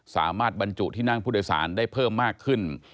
บรรจุที่นั่งผู้โดยสารได้เพิ่มมากขึ้น